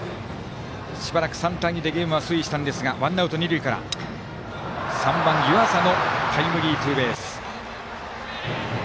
しばらく３対２でゲームは推移したんですがワンアウト二塁から３番、湯浅のタイムリーツーベース。